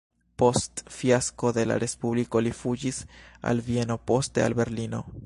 Post fiasko de la respubliko li fuĝis al Vieno, poste al Berlino.